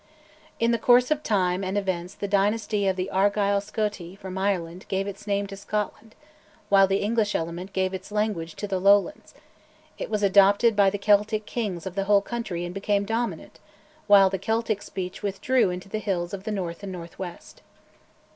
In the course of time and events the dynasty of the Argyll Scoti from Ireland gave its name to Scotland, while the English element gave its language to the Lowlands; it was adopted by the Celtic kings of the whole country and became dominant, while the Celtic speech withdrew into the hills of the north and northwest.